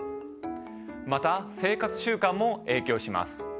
また生活習慣も影響します。